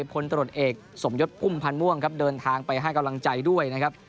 พลตรวจเอกสมยศพุ่มพันธ์ม่วงครับเดินทางไปให้กำลังใจด้วยนะครับ